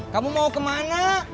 kamu mau kemana